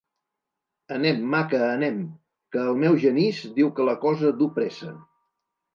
Anem, maca, anem, que el meu Genís diu que la cosa du pressa.